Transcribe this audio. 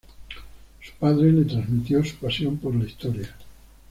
Su padre le transmitió su pasión por la Historia.